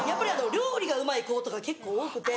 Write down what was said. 料理がうまい子とか結構多くて。